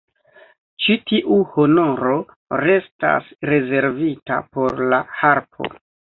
Ĉi tiu honoro restas rezervita por la harpo.